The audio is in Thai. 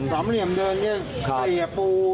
สามเหลี่ยมเดินเทปูนนั่งไปตรงนี้เลย